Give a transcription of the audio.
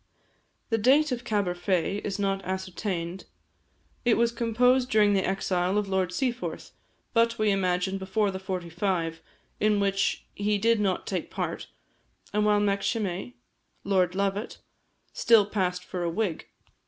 The date of "Caberfae" is not exactly ascertained. It was composed during the exile of Lord Seaforth, but, we imagine, before the '45, in which he did not take part, and while Macshimei (Lord Lovat) still passed for a Whig.